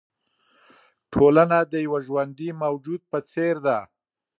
ټولنه د یوه ژوندي موجود په څېر ده.